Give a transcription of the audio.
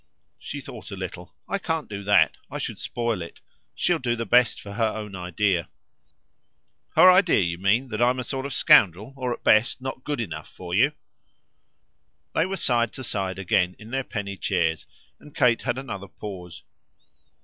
She thought a little. "I can't do that. I should spoil it. She'll do the best for her own idea." "Her idea, you mean, that I'm a sort of a scoundrel; or, at the best, not good enough for you?" They were side by side again in their penny chairs, and Kate had another pause.